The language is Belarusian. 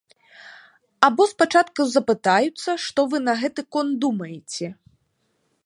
Або спачатку запытаюцца, што вы на гэты конт думаеце.